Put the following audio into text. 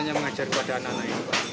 apa yang mengajak kepada anak anak ini